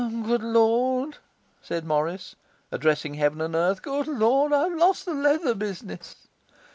'Good Lord,' said Morris, addressing heaven and earth, 'good Lord, I've lost the leather business!